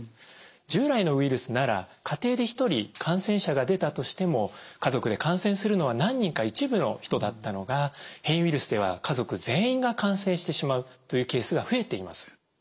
従来のウイルスなら家庭で一人感染者が出たとしても家族で感染するのは何人か一部の人だったのが変異ウイルスでは家族全員が感染してしまうというケースが増えています。